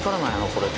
これ。